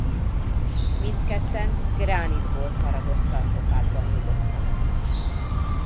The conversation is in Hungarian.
Mindketten gránitból faragott szarkofágban nyugodtak.